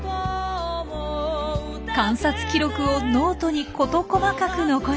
観察記録をノートに事細かく残してきました。